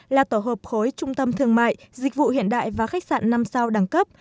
là tổ hợp khối trung tâm thương mại dịch vụ hiện đại và khách sạn năm sao đẳng cấp